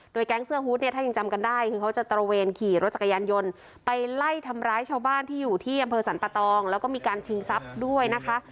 แก๊งเสื้อฮูตเนี่ยถ้ายังจำกันได้คือเขาจะตระเวนขี่รถจักรยานยนต์ไปไล่ทำร้ายชาวบ้านที่อยู่ที่อำเภอสรรปะตองแล้วก็มีการชิงทรัพย์ด้วยนะคะ